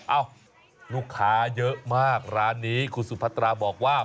เอ้าลูกค้าเยอะมากร้านนี้คุณสุพัตราบอกว่า